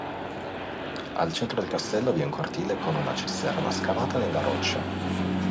Al centro del castello vi è un cortile con una cisterna scavata nella roccia.